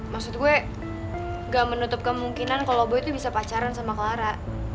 maksud gue gak menutup kemungkinan kalau gue tuh bisa pacaran sama clara